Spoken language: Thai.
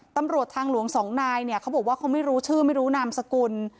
ตำรวจทางหลวงสองนายเนี่ยเขาบอกว่าเขาไม่รู้ชื่อไม่รู้นามสกุล